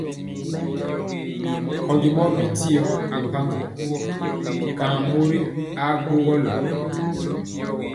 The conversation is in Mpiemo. Nkyɔgi mɔ bi dyɔ ri mpaŋgo, gan mori aa gɔ lena.